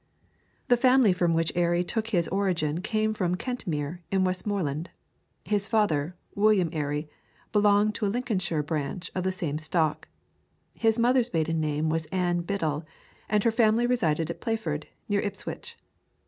The family from which Airy took his origin came from Kentmere, in Westmoreland. His father, William Airy, belonged to a Lincolnshire branch of the same stock. His mother's maiden name was Ann Biddell, and her family resided at Playford, near Ipswich.